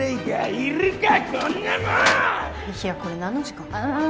いやこれなんの時間？